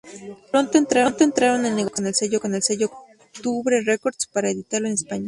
Pronto entraron en negociaciones con el sello Octubre Records para editarlo en España.